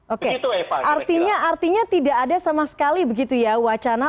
oke artinya tidak ada sama sekali begitu ya wacana